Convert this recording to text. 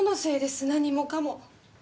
何もかも。